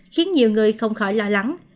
khiến nhiều người không khỏi lo lắng